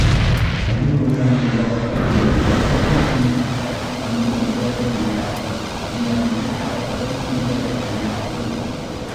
அருள் உள்ளம் கொண்டவர்கள் இந்த உலகத்துத் தீமைகளைக் கண்டு மருளவே மாட்டார்கள் அறியாமை அவர்களை அணுகவே அணுகாது.